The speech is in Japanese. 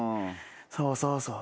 そうそうそう。